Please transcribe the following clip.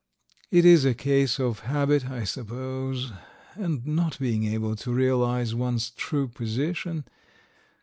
... It is a case of habit, I suppose ... and not being able to realize one's true position.